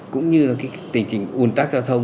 cũng như là tình trình un tắc giao thông